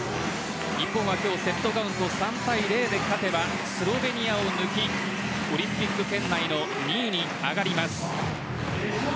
日本は今日セットカウント３対０で勝てばスロベニアを抜きオリンピック圏内の２位に上がります。